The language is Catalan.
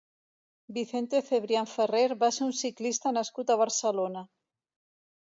Vicente Cebrián Ferrer va ser un ciclista nascut a Barcelona.